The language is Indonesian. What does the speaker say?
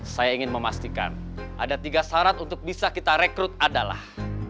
saya ingin memastikan ada tiga syarat untuk bisa kita rekrut adalah